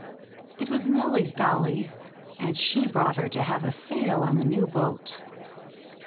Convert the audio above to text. It was Nellie's dollie, and she brought her to have a sail on the new boat.